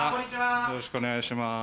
よろしくお願いします。